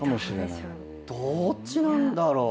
どっちなんだろう。